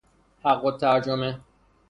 حق الترجمه